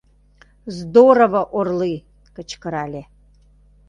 — Здорово, орлы! — кычкырале.